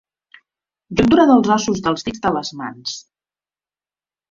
Juntura dels ossos dels dits de les mans.